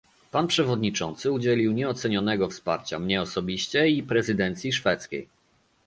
Pan przewodniczący udzielił nieocenionego wsparcia mnie osobiście i prezydencji szwedzkiej